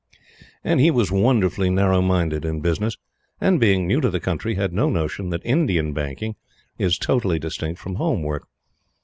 He was wonderfully narrow minded in business, and, being new to the country, had no notion that Indian banking is totally distinct from Home work.